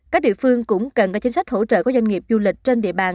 các địa phương cũng cần có chính sách hỗ trợ của doanh nghiệp du lịch trên địa bàn